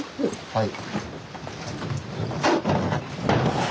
はい。